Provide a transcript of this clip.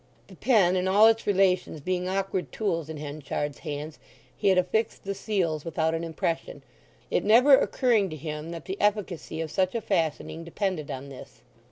The pen and all its relations being awkward tools in Henchard's hands he had affixed the seals without an impression, it never occurring to him that the efficacy of such a fastening depended on this.